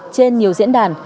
trên nhiều diễn đàn